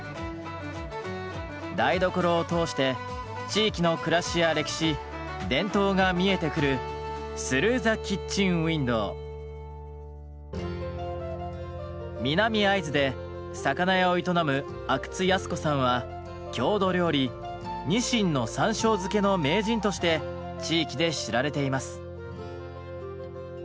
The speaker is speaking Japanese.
台所を通して地域の暮らしや歴史伝統が見えてくる南会津で魚屋を営む郷土料理「にしんの山しょう漬け」の名人として地域で知られています。